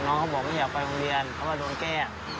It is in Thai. น้องเขาบอกว่าอย่าไปโรงเรียนเขาว่าโดนแก้